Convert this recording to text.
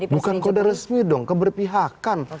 bukan kode resmi dong keberpihakan